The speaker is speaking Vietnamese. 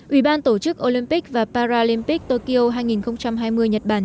ủy ban tổ chức olympic và paralympic tokyo hai nghìn hai mươi nhật bản